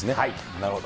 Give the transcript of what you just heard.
なるほど。